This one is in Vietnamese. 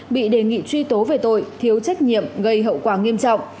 bị đề nghị truy tố về tội thiếu trách nhiệm gây hậu quả nghiêm trọng